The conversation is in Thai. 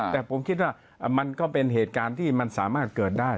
แต่ผมคิดว่ามันก็เป็นเหตุการณ์ที่มันสามารถเกิดได้